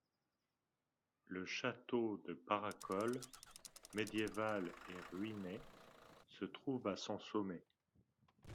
Le château de Paracolls, médiéval et ruiné, se trouve à son sommet.